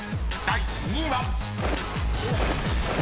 第２位は］